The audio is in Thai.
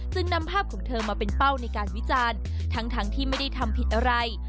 นำภาพของเธอมาเป็นเป้าในการวิจารณ์ทั้งที่ไม่ได้ทำผิดอะไร